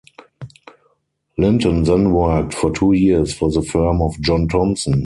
Linton then worked for two years for the firm of John Thompson.